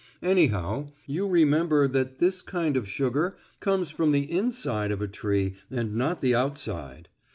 Anyhow, you remember that this kind of sugar comes from the inside of a tree and not the outside.